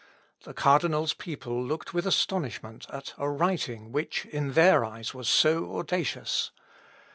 The cardinal's people looked with astonishment at a writing which, in their eyes, was so audacious.